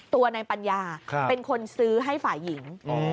ตัวนายปัญญาเป็นคนซื้อให้ฝ่ายหญิง